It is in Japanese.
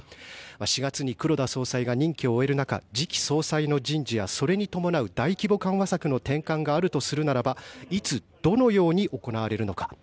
４月に黒田総裁が任期を終える中次期総裁の人事やそれに伴う大規模緩和策の転換があるならばいつ、どのように行われるのか。